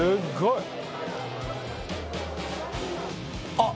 あっ。